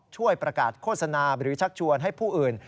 ช่วยประกาศโฆษณาหรือชักชวนให้ผู้อื่น